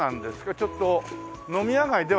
ちょっと飲み屋街ではないね。